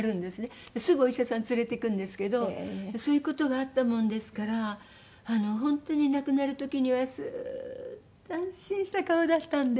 すぐお医者さんに連れていくんですけどそういう事があったものですから本当に亡くなる時にはスーって安心した顔だったんで。